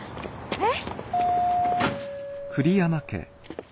えっ？